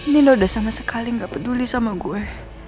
nino udah sama sekali gak peduli sama gue